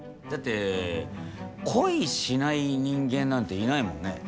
だって恋しない人間なんていないもんね。